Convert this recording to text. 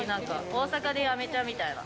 大阪でいう、あめちゃんみたいな。